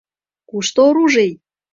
«Кушто оружий?»